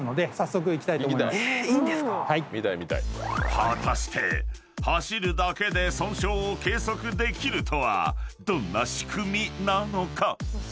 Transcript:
［果たして走るだけで損傷を計測できるとはどんな仕組みなのか？］